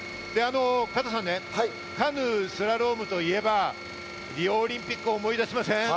加藤さんね、カヌー・スラロームといえば、リオオリンピックを思い出しますね。